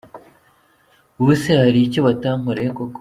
Ubu se hari icyo batankoreye koko?”.